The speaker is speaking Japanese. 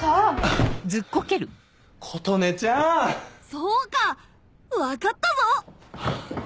そうか分かったぞ！